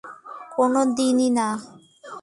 কোনো দিন না।